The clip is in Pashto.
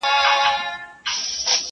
ورور له کلي لرې تللی دی,